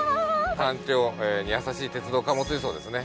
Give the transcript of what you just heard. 環境に優しい鉄道貨物輸送ですね